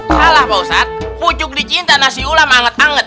salah pak ustadz pucuk dicinta nasi ulam anget anget